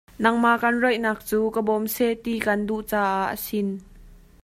Nangmah kan rawihnak cu ka bawm seh ti kan duh caah a sin.